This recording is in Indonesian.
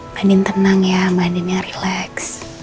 mbak andien tenang ya mbak andien yang relax